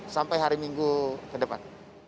sampai hari minggu ke depan